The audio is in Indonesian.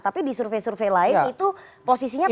tapi di survei survei lain itu posisinya